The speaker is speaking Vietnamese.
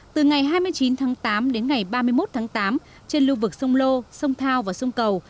từ ngày hai mươi chín tháng tám đến ngày ba mươi một tháng tám trên lưu vực sông lô sông thao và sông cầu